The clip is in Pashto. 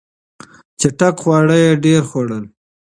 چټک خواړه یې ډېر خوړل.